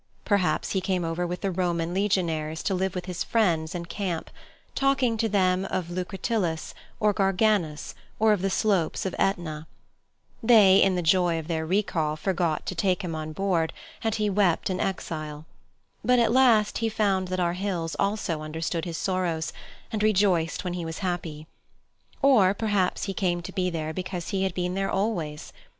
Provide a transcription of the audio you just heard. Perhaps he came over with the Roman legionaries to live with his friends in camp, talking to them of Lucretius, or Garganus or of the slopes of Etna; they in the joy of their recall forgot to take him on board, and he wept in exile; but at last he found that our hills also understood his sorrows, and rejoiced when he was happy. Or, perhaps he came to be there because he had been there always.